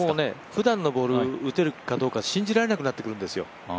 普段のボール打てるかどうか信じられなくなってくるんですよ。